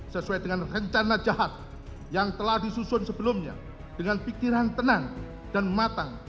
sesuai dengan rencana jahat yang telah disusun sebelumnya dengan pikiran tenang dan matang